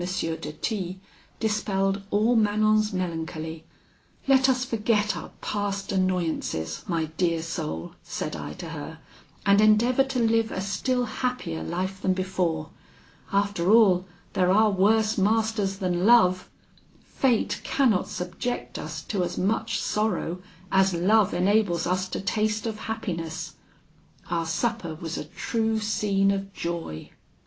de T dispelled all Manon's melancholy. 'Let us forget our past annoyances, my dear soul,' said I to her, 'and endeavour to live a still happier life than before. After all, there are worse masters than love: fate cannot subject us to as much sorrow as love enables us to taste of happiness.' Our supper was a true scene of joy.